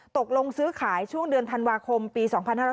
ตกลงซื้อขายช่วงเดือนธันวาคมปี๒๕๕๙